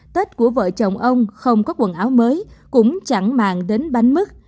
tết của vợ chồng ông không có quần áo mới cũng chẳng màng đến bánh mứt